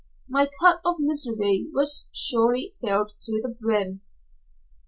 My cup of misery was surely filled to the brim!